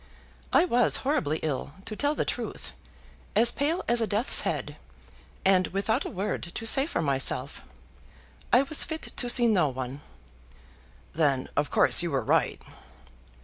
"I was horribly ill, to tell the truth; as pale as a death's head, and without a word to say for myself. I was fit to see no one." "Then of course you were right."